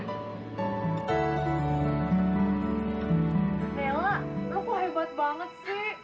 bella lu kok hebat banget sih